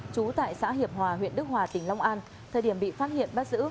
trú tại xã hiệp hòa huyện đức hòa tỉnh long an thời điểm bị phát hiện bắt giữ